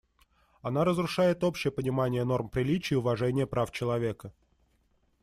Она разрушает общее понимание норм приличий и уважение прав человека.